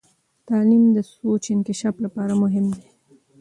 تعلیم د سوچ انکشاف لپاره مهم دی.